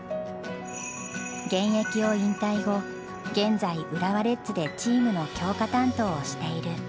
現役を引退後現在浦和レッズでチームの強化担当をしている。